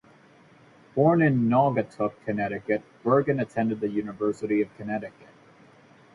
Born in Naugatuck, Connecticut, Bergin attended the University of Connecticut.